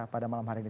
pada malam hari ini